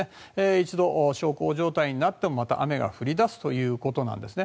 一度、小康状態になってもまた雨が降り出すということなんです。